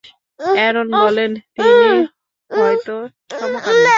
Aaron বলেন, তিনি হয়ত সমকামী।